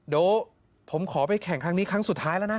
เดี๋ยวผมขอไปแข่งครั้งนี้ครั้งสุดท้ายแล้วนะ